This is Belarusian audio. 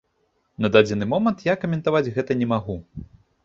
На дадзены момант я каментаваць гэта не магу.